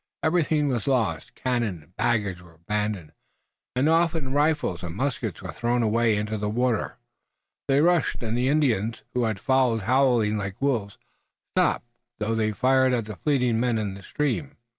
Everything was lost, cannon and baggage were abandoned, and often rifles and muskets were thrown away. Into the water they rushed, and the Indians, who had followed howling like wolves, stopped, though they fired at the fleeing men in the stream.